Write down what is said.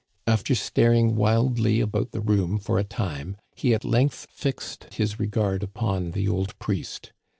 After staring wildly around the room for a time, he at length fixed his regard upon the old priest.